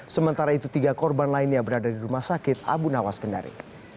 sementara itu tiga korban lainnya berada di rumah sakit abu nawas kendari